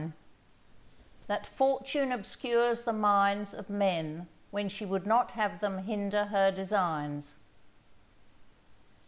—_That Fortune obscures the minds of Men when she would not have them hinder her Designs.